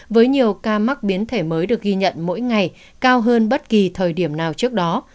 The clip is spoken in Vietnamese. với nhiều ca mắc biến thể mới được ghi nhận mỗi ngày cao hơn bất kỳ thời điểm nào trước đó